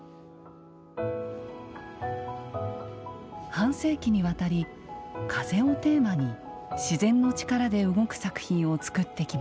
半世紀にわたり「風」をテーマに「自然のちから」で動く作品をつくってきました。